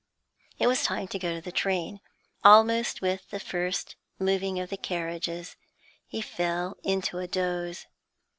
It was time to go to the train. Almost with the first moving of the carriages he fell into a doze.